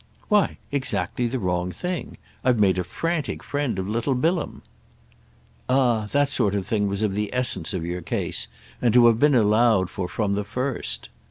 "Why exactly the wrong thing. I've made a frantic friend of little Bilham." "Ah that sort of thing was of the essence of your case and to have been allowed for from the first."